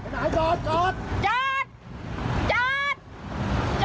ไปไหนจอดจอดจอดจอดจอด